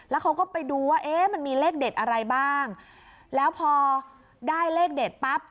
แล้วเขาก็ไปดูว่าเอ๊ะมันมีเลขเด็ดอะไรบ้างแล้วพอได้เลขเด็ดปั๊บ